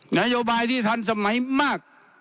นโยบายที่ทันสมัยมาก